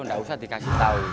enggak usah dikasih tahu